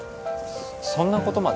そそんなことまで？